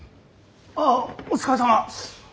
ああお疲れさま。